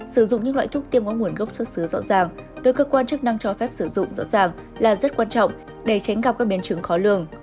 sử dụng những loại thuốc tiêm có nguồn gốc xuất xứ rõ ràng được cơ quan chức năng cho phép sử dụng rõ ràng là rất quan trọng để tránh gặp các biến chứng khó lường